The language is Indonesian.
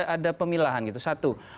ada pemilahan gitu satu